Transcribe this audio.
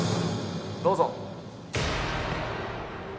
どうぞ。